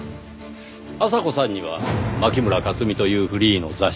阿佐子さんには牧村克実というフリーの雑誌記者